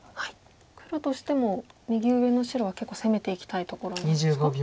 黒としても右上の白は結構攻めていきたいところなんですか？